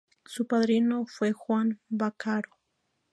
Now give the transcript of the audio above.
Su padrino fue Juan Vaccaro.